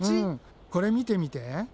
これ見てみて。